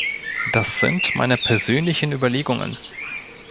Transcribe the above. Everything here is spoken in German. Das sind meine persönlichen Überlegungen.